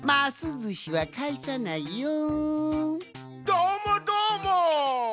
どーもどーもっ！